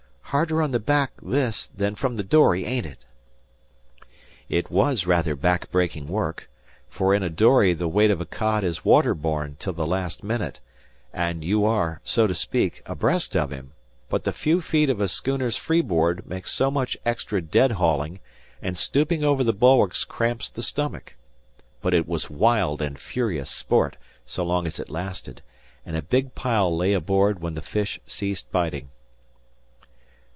Harder on the back, this, than frum the dory, ain't it?" It was rather back breaking work, for in a dory the weight of a cod is water borne till the last minute, and you are, so to speak, abreast of him; but the few feet of a schooner's freeboard make so much extra dead hauling, and stooping over the bulwarks cramps the stomach. But it was wild and furious sport so long as it lasted; and a big pile lay aboard when the fish ceased biting.